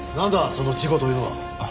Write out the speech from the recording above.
その事故というのは。